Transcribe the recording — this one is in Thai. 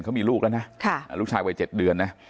เขามีลูกแล้วนะลูกชายวัย๗เดือนนะ